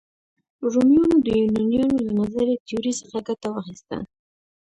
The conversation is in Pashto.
رومیانو د یونانیانو له نظري تیوري څخه ګټه واخیسته.